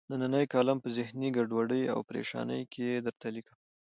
نننۍ کالم په ذهني ګډوډۍ او پریشانۍ کې درته لیکم.